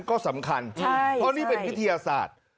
ก็สำคัญเพราะนี่เป็นวิทยาศาสตร์